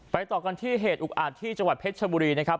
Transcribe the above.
ต่อกันที่เหตุอุกอาจที่จังหวัดเพชรชบุรีนะครับ